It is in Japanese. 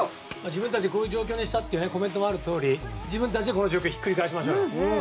自分たちをこういう状況にしたというコメントもあったとおり自分たちで、この状況をひっくり返しましょう。